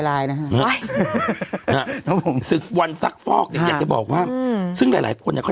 นะฮะศึกวันศักดิ์ฟอกอยากจะบอกว่าซึ่งหลายหลายคนก็